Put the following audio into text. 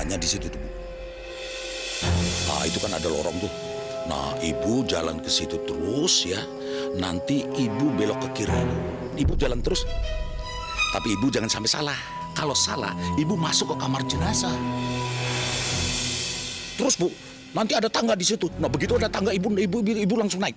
aduh abang mikirin aku bang